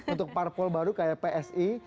untuk parpol baru kayak psi